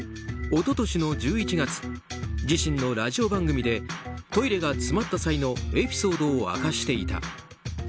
一昨年の１１月自身のラジオ番組でトイレが詰まった際のエピソードを明かしていた。